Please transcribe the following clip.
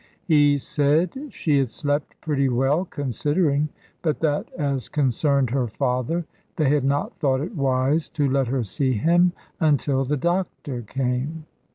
He said she had slept pretty well considering, but that as concerned her father, they had not thought it wise to let her see him, until the doctor came.